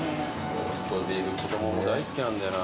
ローストビーフ子供も大好きなんだよな。